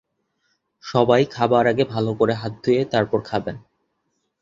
সবাই খাবার আগে ভালো করে হাত ধুয়ে তারপর খাবেন।